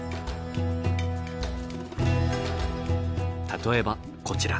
例えばこちら。